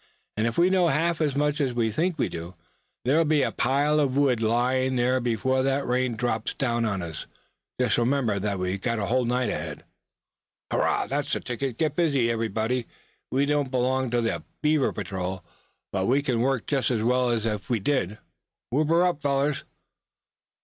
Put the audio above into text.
"And if we know half as much as we think we do, there'll be a pile of wood lying here before that rain drops down on us. Just remember that we've got a whole night ahead." "Hurrah! that's the ticket! Get busy everybody. We don't belong to the Beaver Patrol, but we can work just as well as if we did. Whoop her up, fellers!"